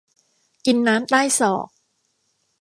กินน้ำใต้ศอก